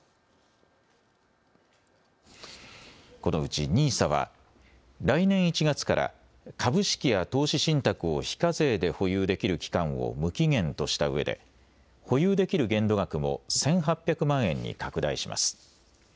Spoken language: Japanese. このうちＮＩＳＡは来年１月から株式や投資信託を非課税で保有できる期間を無期限としたうえで保有できる限度額も１８００万円に拡大します。